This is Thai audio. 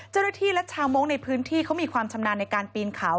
เจ้าหน้าที่และชาวมงค์ในพื้นที่เขามีความชำนาญในการปีนเขา